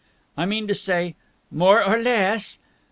"I mean to say...." "More or less!"